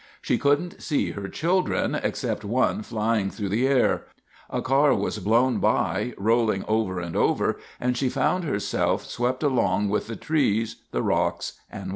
She couldn't see her children, except one flying through the air. A car was blown by, rolling over and over, and she found herself swept along with the trees, the rocks, and water.